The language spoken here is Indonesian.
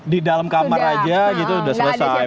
di dalam kamar aja gitu udah selesai